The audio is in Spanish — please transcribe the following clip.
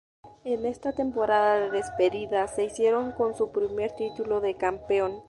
En esa temporada de despedida, se hicieron con su primer título de campeón.